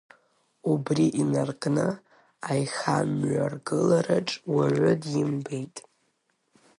Убри инаркны, аихамҩаргылараҿ уаҩы димбеит.